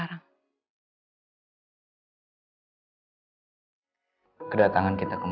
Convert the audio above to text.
aku ingin tahu